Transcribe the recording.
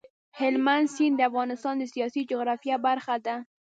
هلمند سیند د افغانستان د سیاسي جغرافیه برخه ده.